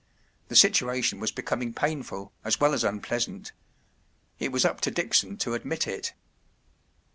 The situation was becoming painful, as well as unpleasant. It was up to Dickson .to admit it.